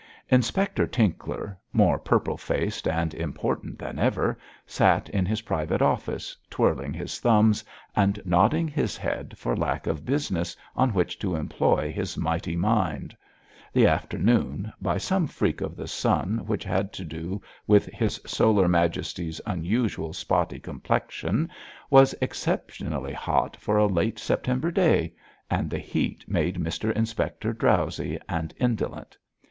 Inspector Tinkler, more purple faced and important than ever, sat in his private office, twirling his thumbs and nodding his head for lack of business on which to employ his mighty mind. The afternoon, by some freak of the sun which had to do with his solar majesty's unusual spotty complexion, was exceptionally hot for a late September day, and the heat made Mr Inspector drowsy and indolent.